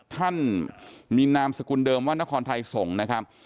ท่านมีนามสกุลเดิมว่านครไทยสงฆ์นะครับ